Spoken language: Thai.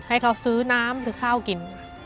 ให้เขาซื้อน้ำซื้อข้าวกิน